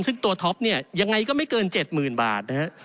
ซึ่งตัวท็อปเนี่ยยังไงก็ไม่เกิน๗๐๐๐บาทนะฮะ